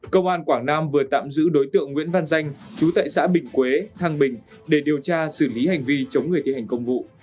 công an quảng nam vừa tạm giữ đối tượng nguyễn văn danh chú tại xã bình quế thăng bình để điều tra xử lý hành vi chống người thi hành công vụ